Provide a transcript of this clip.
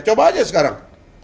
coba aja sekarang